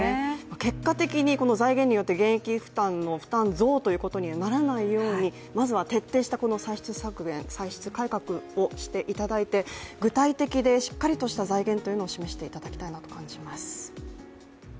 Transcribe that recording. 結果的に財源によって現役負担の負担増にならないように、まずは徹底した歳出削減、歳出改革をしていただいて具体的でしっかりとした財源というのを示していただきたいなと思います。